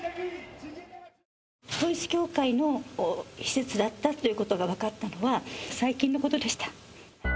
統一教会の施設だったということが分かったのは最近のことでした。